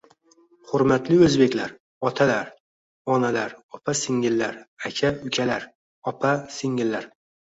Hurmatli o'zbeklar, otalar, onalar, opa -singillar, aka -ukalar, opa -singillar